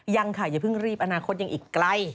ยังค่ะอย่าเพิ่งรีบอนาคตยังอีกไกล